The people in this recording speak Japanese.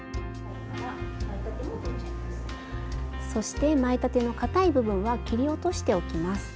そして前立てのかたい部分は切り落としておきます。